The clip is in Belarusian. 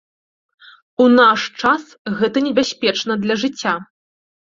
У наш час гэта небяспечна для жыцця!